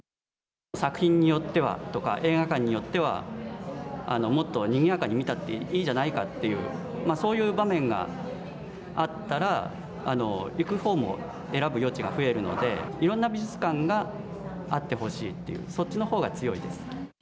作品によってはとか映画館によってはもっとにぎやかに見たっていいじゃないかという、そういう場面があったら行く方も選ぶ余地が増えるのでいろんな美術館があってほしいっていうそっちの方が強いです。